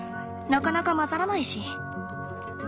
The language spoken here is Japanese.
なかなか混ざらないし。